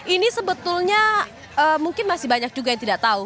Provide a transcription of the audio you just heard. ini sebetulnya mungkin masih banyak juga yang tidak tahu